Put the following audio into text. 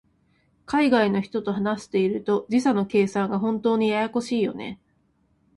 海外の人と話していると、時差の計算が本当にややこしいよね。